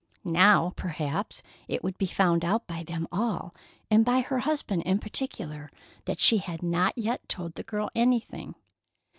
Now, perhaps, it would be found out by them all, and by her husband in particular, that she had not yet told the girl anything.